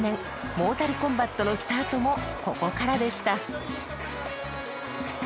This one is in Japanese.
モータルコンバットのスタートもここからでした。